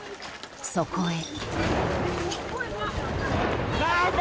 そこへ。